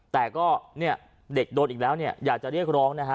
แต่ก็เนี่ยเด็กโดนอีกแล้วเนี่ยอยากจะเรียกร้องนะฮะ